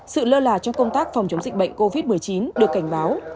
sự lơ là trong công tác phòng chống dịch bệnh covid một mươi chín được cảnh báo